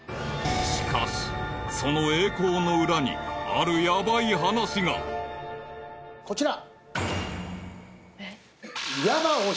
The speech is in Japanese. ［しかしその栄光の裏にあるヤバい話が］こちら。